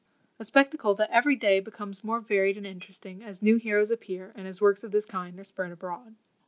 A spectacle that every day becomes more varied and interesting, as new heroes appear, and as works of this kind are spread abroad.